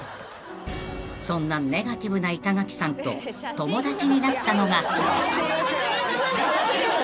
［そんなネガティブな板垣さんと友達になったのが］